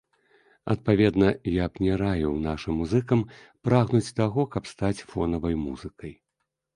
Адпаведна, я б не раіў нашым музыкам прагнуць таго, каб стаць фонавай музыкай.